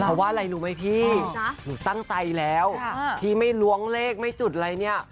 เพราะว่าอะไรรู้ไหมพี่หนูตั้งใจแล้วที่ไม่ล้วงเลขไม่จุดอะไรเนี่ย